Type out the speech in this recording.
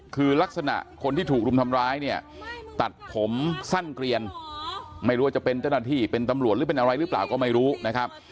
คือลักษณะคนที่ถูกรุมทำร้ายเนี่ยตัดผมสั้นเกลียนไม่รู้ว่าจะเป็นเจ้าหน้าที่เป็นตำรวจหรือเป็นอะไรหรือเปล่าก็ไม่รู้นะครับ